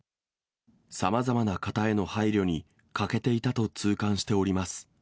さまざまな方への配慮に欠けていたと痛感しております。